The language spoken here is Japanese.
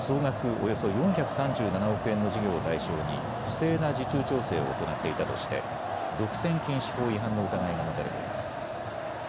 およそ４３７億円の事業を対象に不正な受注調整を行っていたとして独占禁止法違反の疑いが持たれています。